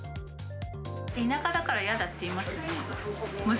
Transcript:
田舎だから嫌だって言います